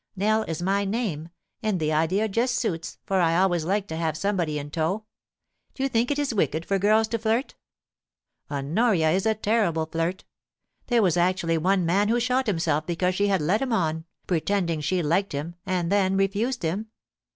Nell is my name ; and the idea just suits, for I always like to have somebody in tow. Do you think it is wicked for girls to flirt ? Honoria is a terrible flirt. There was actually one man who shot himself because she led him on, pretending she liked him, and then refused him.